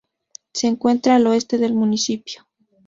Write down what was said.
Se encuentra al oeste del municipio.